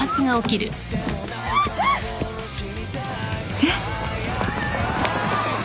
えっ？